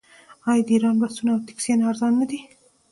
آیا د ایران بسونه او ټکسیانې ارزانه نه دي؟